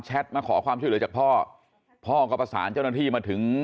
มาขอความช่วยเหลือจากพ่อพ่อก็ประสานเจ้าหน้าที่มาถึง